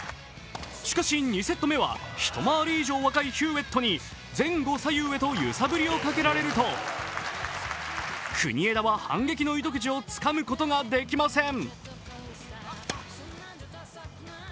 しかし２セット目は一回り以上若いヒューウェットに前後左右へと揺さぶりをかけられると国枝は反撃の糸口をつかむことができません。